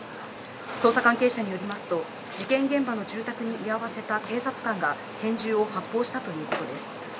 捜査関係者によりますと事件現場の住宅に居合わせた警察官が拳銃を発砲したということです。